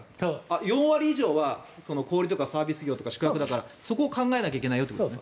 ４割以上は小売りとかサービス業とか宿泊だからそこを考えないといけないよと。